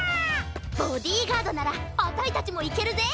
ボディーガードならあたいたちもいけるぜ！